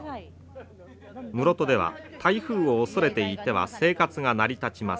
室戸では台風を恐れていては生活が成り立ちません。